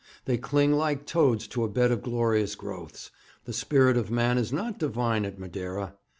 They cling like toads to a bed of glorious growths. The spirit of man is not divine at Madeira.'